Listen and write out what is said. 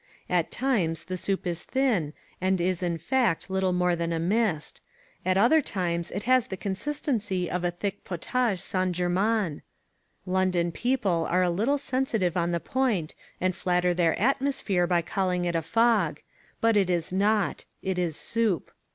At times the soup is thin and is in fact little more than a mist: at other times it has the consistency of a thick Potage St. Germain. London people are a little sensitive on the point and flatter their atmosphere by calling it a fog: but it is not: it is soup.